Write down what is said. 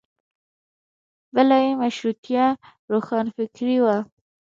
بله یې مشروطیه روښانفکري وه.